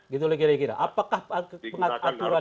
gitu lagi lagi apakah pengaturan itu bisa